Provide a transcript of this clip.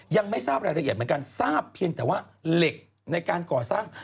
ยังไม่ทราบรายละเอียดเหมือนกันทราบเพียงแต่ว่าเหล็กในการก่อสร้าง